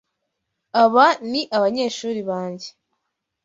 Aba ni abanyeshuri banjye.